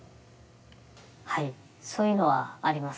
はいそういうのはあります。